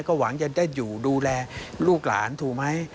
ก็หวังจะได้อยู่ดูแลลูกหลานถูกไหม